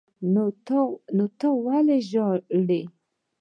نو ته ولې ژاړې.